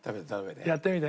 やってみて。